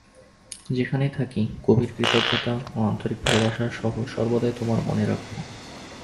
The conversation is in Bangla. যেখানেই থাকি, গভীর কৃতজ্ঞতা ও আন্তরিক ভালবাসা সহ সর্বদাই তোমাদের মনে রাখব।